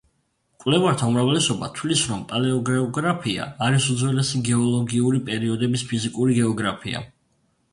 მკვლევართა უმრავლესობა თვლის, რომ პალეოგეოგრაფია არის უძველესი გეოლოგიური პერიოდების ფიზიკური გეოგრაფია.